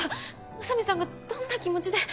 宇佐美さんがどんな気持ちで。